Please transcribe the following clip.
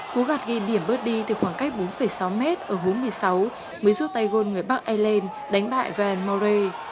cố gạt ghi điểm birdie từ khoảng cách bốn sáu m ở hố một mươi sáu mới giúp tay gôn người bắc ireland đánh bại ryan murray